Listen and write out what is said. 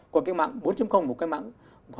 có cái mạng bốn có cái mạng